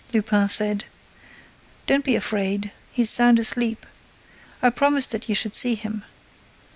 Lupin said: "Don't be afraid, he's sound asleep. I promised that you should see him.